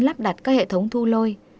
lắp đặt các hệ thống thu lôi